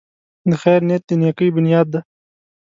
د خیر نیت د نېکۍ بنیاد دی.